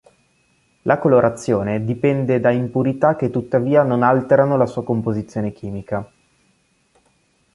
La colorazione dipende da impurità che tuttavia non alterano la sua composizione chimica.